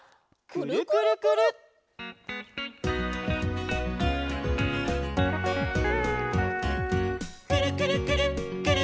「くるくるくるっくるくるくるっ」